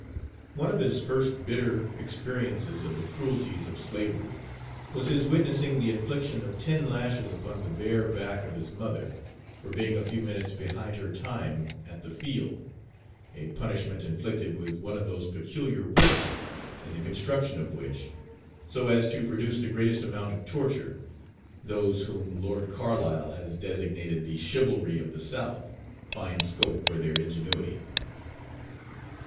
One of his first bitter experiences of the cruelties of slavery, was his witnessing the infliction of ten lashes upon the bare back of his mother, for being a few minutes behind her time at the field a punishment inflicted with one of those peculiar whips in the construction of which, so as to produce the greatest amount of torture, those whom Lord Carlisle has designated "the chivalry of the South" find scope for their ingenuity.